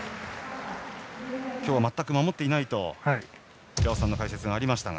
今日、全く守っていないと平尾さんの解説がありました。